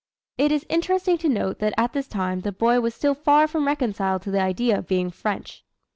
It is interesting to note that at this time the boy was still far from reconciled to the idea of being French.